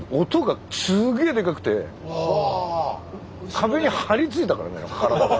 壁に張り付いたからね体が。